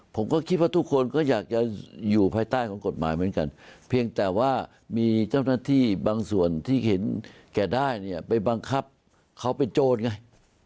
ผมก็คิดว่าทุกคนก็อยากจะอยู่ภายใต้ของกฎหมายเหมือนกันเพียงแต่ว่ามีเจ้าหน้าที่บางส่วนที่เห็นแก่ได้เนี่ยไปบังคับเขาเป็นโจรไง